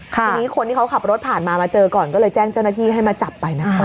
ทีนี้คนที่เขาขับรถผ่านมามาเจอก่อนก็เลยแจ้งเจ้าหน้าที่ให้มาจับไปนะคะ